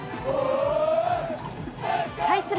対する